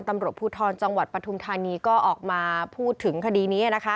ตำรวจภูทรจังหวัดปฐุมธานีก็ออกมาพูดถึงคดีนี้